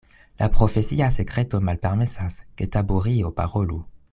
La profesia sekreto malpermesas, ke Taburio parolu.